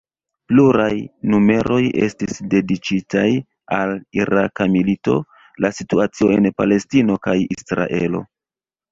Pluraj numeroj estis dediĉitaj al Iraka milito, la situacio en Palestino kaj Israelo.